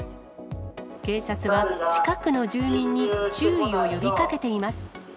警察は近くの住民に注意を呼びかけています。